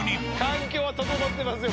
環境は整ってますよ